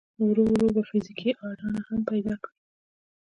ورو ورو به فزيکي اډانه هم پيدا کړي.